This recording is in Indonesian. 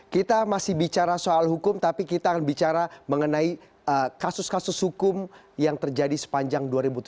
kita masih bicara soal hukum tapi kita akan bicara mengenai kasus kasus hukum yang terjadi sepanjang dua ribu tujuh belas